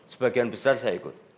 sebagian besar saya ikut